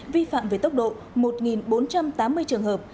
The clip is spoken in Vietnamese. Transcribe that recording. vi phạm về tốc độ một bốn trăm tám mươi trường hợp